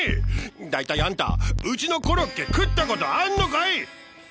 大体あんたうちのコロッケ食ったことあんのかい？